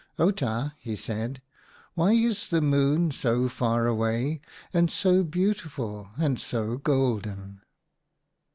" Outa," he said, "why is the moon so far away, and so beautiful, and so golden